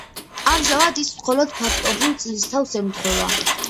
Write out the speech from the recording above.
ამჟამად ის მხოლოდ ფაქტობრივ წლისთავს ემთხვევა.